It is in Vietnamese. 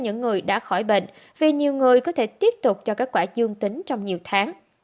những người đã khỏi bệnh vì nhiều người có thể tiếp tục cho kết quả dương tính trong nhiều tháng